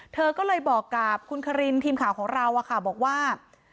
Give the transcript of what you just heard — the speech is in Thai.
เธอก็เลยบอกกับคุณคารินทีมข่าวของเราบอกว่า